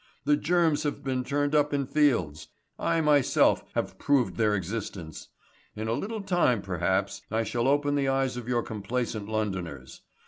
The germs have been turned up in fields. I, myself, have proved their existence. In a little time, perhaps, I shall open the eyes of your complacent Londoners.